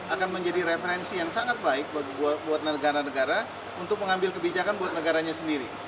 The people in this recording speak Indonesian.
akan menjadi referensi yang sangat baik buat negara negara untuk mengambil kebijakan buat negaranya sendiri